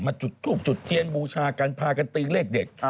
จุดทูบจุดเทียนบูชากันพากันตีเลขเด็ด